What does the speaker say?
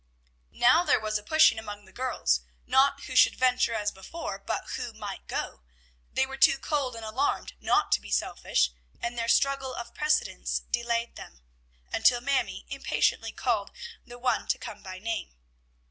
Now there was a pushing among the girls, not who should venture as before, but who might go. They were too cold and alarmed not to be selfish, and their struggle for precedence delayed them, until Mamie impatiently called the one to come by name.